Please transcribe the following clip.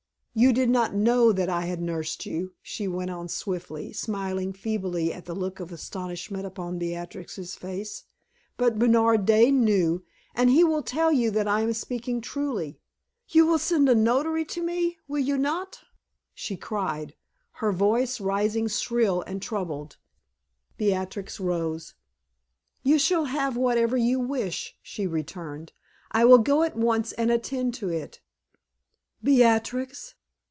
You did not know that I had nursed you," she went on swiftly, smiling feebly at the look of astonishment upon Beatrix's face; "but Bernard Dane knew, and he will tell you that I am speaking truly. You will send a notary to me, will you not?" she cried, her voice rising shrill and troubled. Beatrix rose. "You shall have whatever you wish," she returned. "I will go at once and attend to it." "Beatrix."